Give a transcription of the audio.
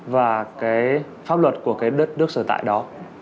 và pháp luật của đất nước sở tại đó